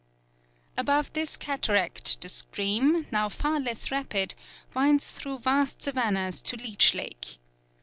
Above this cataract the stream, now far less rapid, winds through vast savannahs to Leech Lake.